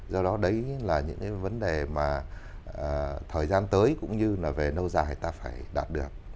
do đó đấy là những cái vấn đề mà thời gian tới cũng như là về lâu dài ta phải đạt được